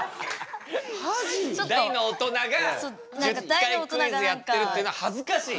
大の大人が１０回クイズやってるっていうのは恥ずかしい？